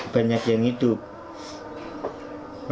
berkena kerana wijong